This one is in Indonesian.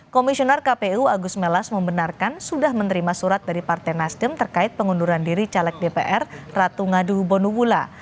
komisioner kpu agus melas membenarkan sudah menerima surat dari partai nasdem terkait pengunduran diri caleg dpr ratu ngadu hubonula